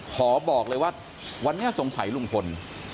ขอบอกเลยว่าวันนี้สงสัยลุงพล